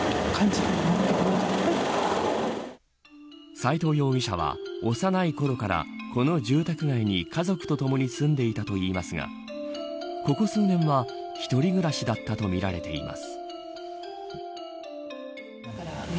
斎藤容疑者は幼いころからこの住宅街に家族とともに住んでいたといいますがここ数年は、一人暮らしだったとみられています。